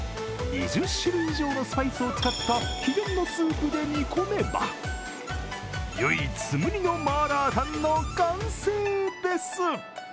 ２０種類以上のスパイスを使った秘伝のスープで煮込めば唯一無二の麻辣湯の完成です。